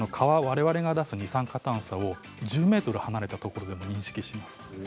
蚊はわれわれが出す二酸化炭素を１０ｍ離れたところでも認識します。